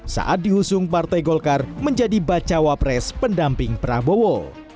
saat diusung partai golkar menjadi bacawa pres pendamping prabowo